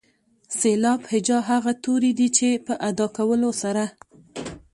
سېلاب هجا هغه توري دي چې په ادا کولو سره.